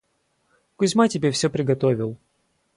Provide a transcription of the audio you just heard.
Кузьма тебе всё приготовил.